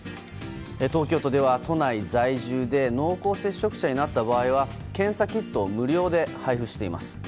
東京都では都内在住で濃厚接触者になった場合には検査キットを無料で配布しています。